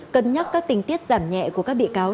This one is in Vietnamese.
cẩn nhắc các tính tiết giảm nhẹ của các bị cáo